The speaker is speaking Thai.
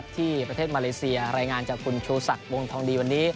ที่ประเทศมาเลเซียรายงานจากคุณชูศักดิ์วงทองดีวันนี้